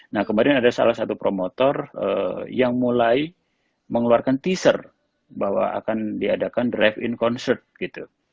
nah kemarin ada salah satu promotor yang mulai mengeluarkan teaser bahwa akan diadakan drive in concert gitu